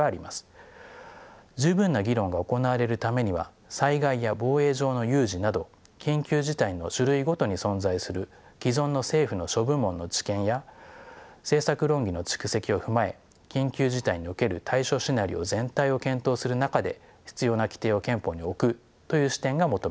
十分な議論が行われるためには災害や防衛上の有事など緊急事態の種類ごとに存在する既存の政府の諸部門の知見や政策論議の蓄積を踏まえ緊急事態における対処シナリオ全体を検討する中で必要な規定を憲法に置くという視点が求められます。